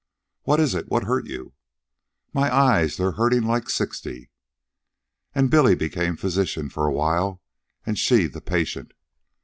"What is it? What hurt you?" "My eyes. They're hurting like sixty." And Billy became physician for a while and she the patient.